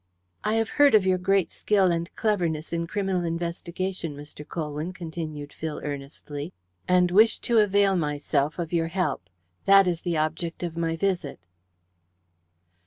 "I have heard of your great skill and cleverness in criminal investigation, Mr. Colwyn," continued Phil earnestly, "and wish to avail myself of your help. That is the object of my visit."